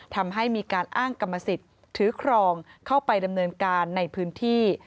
ทำให้มีการอ้างกรรมสิทธิ์ถือครองเข้าไปดำเนินการในพื้นที่